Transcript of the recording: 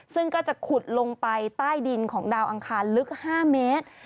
ซึ่งก็จะขุดลงไปใต้ดินของดาวอังคารลึก๕เมตร